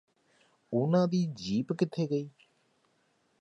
ਉਹਨਾਂ ਦੀ ਜੀਪ ਕਿੱਥੇ ਗਈ